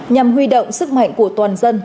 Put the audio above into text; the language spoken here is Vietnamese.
nhằm huy động sức mạnh của toàn dân